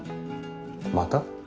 「また」？